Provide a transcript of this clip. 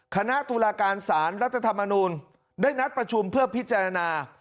คณะตุลาการสารรัฐธรรมนูลได้นัดประชุมเพื่อพิจารณา